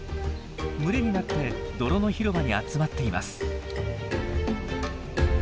群れになって泥の広場に集まっています。